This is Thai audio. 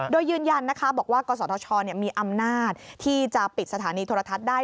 โดยยืนยันนะคะบอกว่ากศธชมีอำนาจที่จะปิดสถานีโทรทัศน์ได้